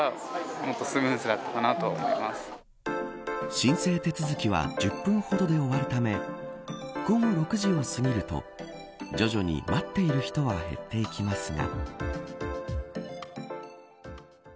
申請手続きは１０分ほどで終わるため午後６時を過ぎると徐々に待っている人は減っていきますが。